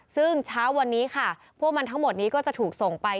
ซึ่งเช้าวันนี้ค่ะพวกมันทั้งหมดนี้ก็จะถูกส่งไป